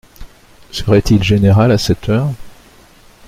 Serait-il général, à cette heure?